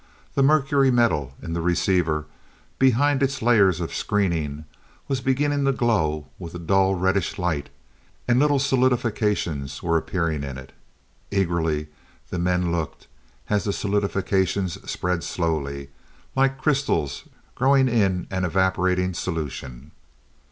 The mercury metal in the receiver, behind its layers of screening was beginning to glow, with a dull reddish light, and little solidifications were appearing in it! Eagerly the men looked, as the solidifications spread slowly, like crystals growing in an evaporating solution.